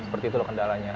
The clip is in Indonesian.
seperti itu loh kendalanya